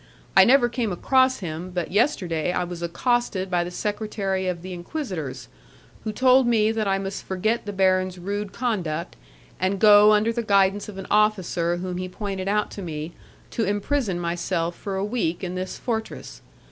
I never came across him, but yesterday I was accosted by the secretary of the inquisitors, who told me that I must forget the baron's rude conduct, and go under the guidance of an officer whom he pointed out to me, to imprison myself for a week in this fortress.